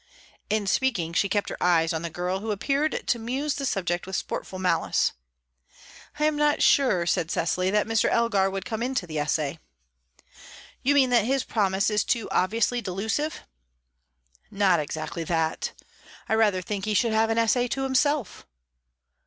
In speaking, she kept her eyes on the girl, who appeared to muse the subject with sportful malice. "I am not sure," said Cecily, "that Mr. Elgar would come into the essay." "You mean that his promise is too obviously delusive?" "Not exactly that. I rather think he should have an essay to himself."